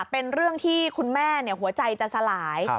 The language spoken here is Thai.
เป็นเรื่องที่คุณแม่หัวใจจะสลาย